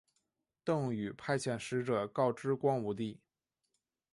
邓禹派遣使者告知光武帝。